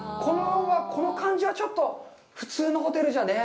この感じはちょっと普通のホテルじゃね。